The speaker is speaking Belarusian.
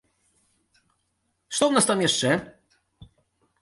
Што там у нас яшчэ?